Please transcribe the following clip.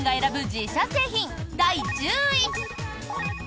自社製品第１０位。